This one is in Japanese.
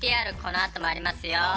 このあともありますよ。